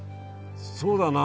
そうだな。